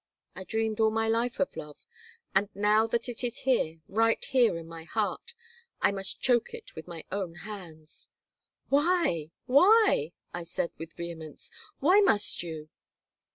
I dreamed all my life of love, and now that it is here, right here in my heart, I must choke it with my own hands." "Why? Why?" I said, with vehemence. "Why must you?"